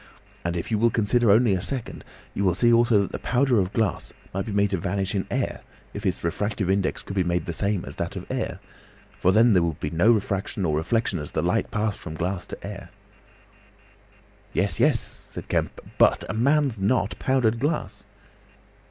And if you will consider only a second, you will see also that the powder of glass might be made to vanish in air, if its refractive index could be made the same as that of air; for then there would be no refraction or reflection as the light passed from glass to air." "Yes, yes," said Kemp. "But a man's not powdered glass!"